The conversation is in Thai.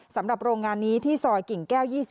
สำหรับโรงงานนี้ที่ซอยกิ่งแก้ว๒๔